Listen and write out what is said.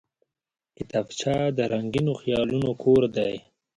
کتابچه د رنګینو خیالونو کور دی